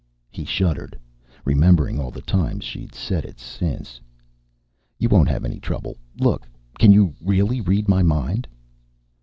He shuddered, remembering all the times she'd said it since. "You won't have any trouble. Look, can you really read my mind?"